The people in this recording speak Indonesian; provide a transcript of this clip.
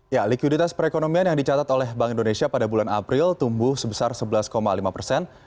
ya likuiditas perekonomian yang dicatat oleh bank indonesia pada bulan april tumbuh sebesar sebelas lima persen